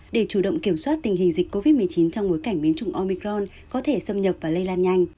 để chủ động kiểm soát tình hình dịch covid một mươi chín trong bối cảnh biến chủng omicron có thể xâm nhập và lây lan nhanh